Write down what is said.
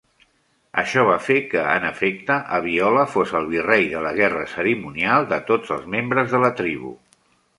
Això va fer que, en efecte, Abiola fos el virrei de la Guerra cerimonial de tots els membres de la tribu.